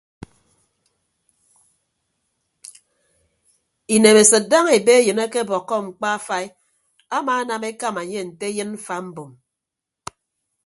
Inemesịd daña ebe eyịn akebọkkọ mkpa afai amaanam ekama enye nte eyịn mfa mbom.